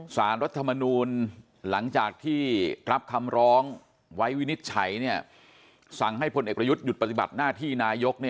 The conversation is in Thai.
สารรัฐมนูลหลังจากที่รับคำร้องไว้วินิจฉัยสั่งให้พลเอกประยุทธ์หยุดปฏิบัติหน้าที่นายก